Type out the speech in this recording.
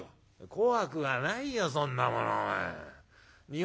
「怖くはないよそんなものおめえ。